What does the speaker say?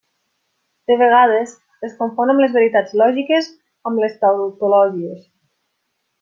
De vegades es confon a les veritats lògiques amb les tautologies.